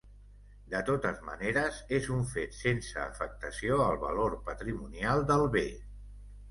De totes maneres és un fet sense afectació al valor patrimonial del bé.